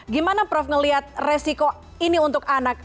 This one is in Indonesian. gimana prof ngelihat resiko ini untuk anak